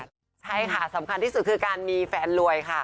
ใช่ค่ะสำคัญที่สุดคือการมีแฟนรวยค่ะ